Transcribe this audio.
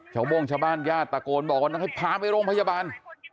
โม่งชาวบ้านญาติตะโกนบอกว่าให้พาไปโรงพยาบาล